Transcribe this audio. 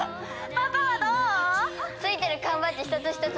パパはどう？